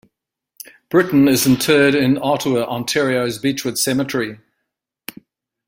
Brittain is interred in Ottawa, Ontario's Beechwood Cemetery.